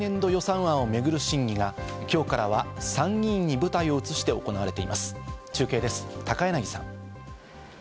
来年度予算案をめぐる審議が今日からは参議院に舞台を移して行われています。